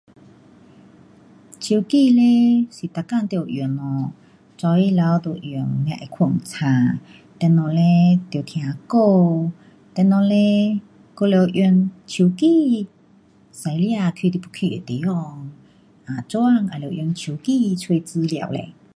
手机嘞是每天得用咯，早起头就用才会睡醒。等下嘞，得听歌，等下嘞，还得用手机驾车去你要去的地方。啊，做工也得用手机找资料嘞。